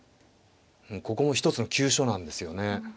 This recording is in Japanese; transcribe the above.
うんここも一つの急所なんですよね。